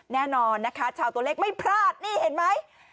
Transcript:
แน่นอนนะคะชาวตัวเลขไม่พลาดนี่เห็นไหม